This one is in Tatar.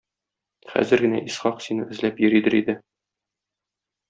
Хәзер генә Исхак сине эзләп йөридер иде.